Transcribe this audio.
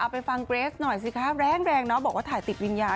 ไปฟังเกรสหน่อยสิคะแรงเนาะบอกว่าถ่ายติดวิญญาณ